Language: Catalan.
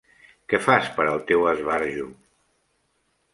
Què fas per al teu esbarjo?